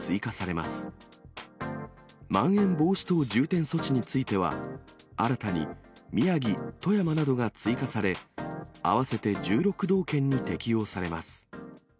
まん延防止等重点措置については、新たに宮城、富山などが追加され、合わせて１６道県に適用されます。